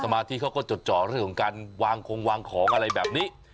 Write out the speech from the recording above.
สมาธิเขาก็จอในเรื่องของการวางของอะไรแบบนี้